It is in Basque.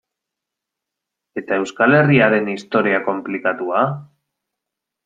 Eta Euskal Herriaren historia konplikatua?